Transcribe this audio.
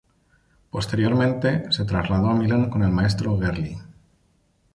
Posteriormente, se trasladó a Milán con el maestro Gerli.